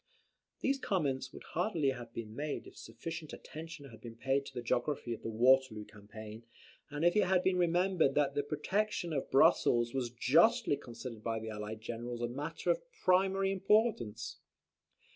These comments would hardly have been made if sufficient attention had been paid to the geography of the Waterloo campaign; and if it had been remembered that the protection of Brussels was justly considered by the allied generals a matter of primary importance.